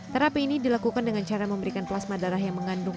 terapi ini dilakukan dengan cara memberikan plasma darah yang mengandung